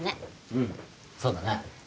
うんそうだな。